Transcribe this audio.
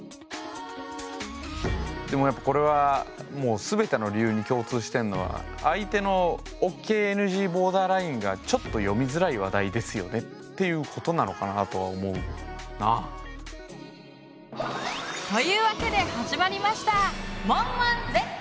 でもやっぱこれはもう全ての理由に共通してんのは相手のＯＫ・ＮＧボーダーラインがちょっと読みづらい話題ですよねっていうことなのかなとは思うな。というわけで始まりました